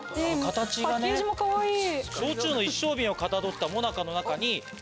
パッケージもかわいい！